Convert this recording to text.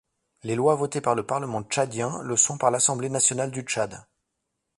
Les lois votées par le Parlement tchadien le sont par l’Assemblée nationale du Tchad.